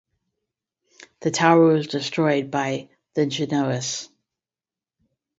The tower was destroyed by the Genoese.